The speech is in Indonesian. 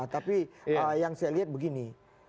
tapi yang saya lihat begini